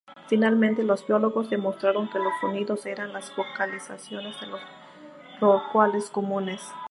Finalmente, los biólogos demostraron que los sonidos eran las vocalizaciones de los rorcuales comunes.